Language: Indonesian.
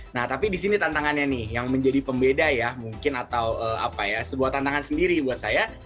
nah tapi di sini tantangannya nih yang menjadi pembeda ya mungkin atau sebuah tantangan sendiri buat saya